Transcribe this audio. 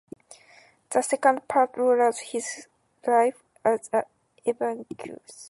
The second part recollects his life as an evacuee.